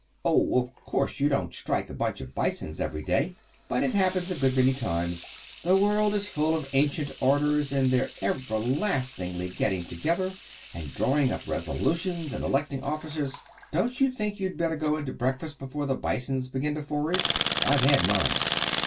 Oh, of course you don't strike a bunch of Bisons every day. But it happens a good many times. The world is full of Ancient Orders and they're everlastingly getting together and drawing up resolutions and electing officers. Don't you think you'd better go in to breakfast before the Bisons begin to forage? I've had mine."